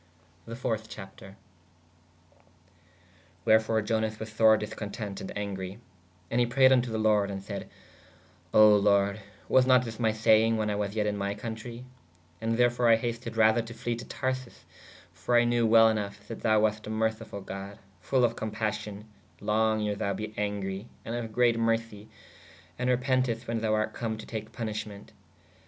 ¶ The .iiij. Chapter. Wherfore Ionas was sore discontent ād angre. And he prayed vn to the lorde ād sayd: O lord/ was not this my sayenge when I was yet in my contre? And therfore I hasted rather to fle to Tharsis: for I knew well ynough that thou wast a mercifull god/ ful of cōpassion/ long yer thou be angre and of great mercie and repentest when thou art come to take punishment.